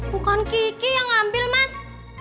bukan gigi yang ambil mas